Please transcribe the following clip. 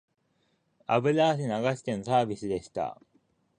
油汗流してのサービスでした